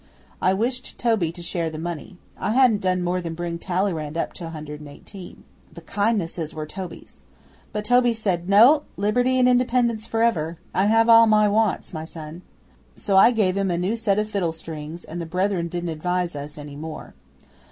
I wished Toby to share the money. I hadn't done more than bring Talleyrand up to Hundred and Eighteen. The kindnesses were Toby's. But Toby said, "No! Liberty and Independence for ever. I have all my wants, my son." So I gave him a set of new fiddle strings, and the Brethren didn't advise us any more.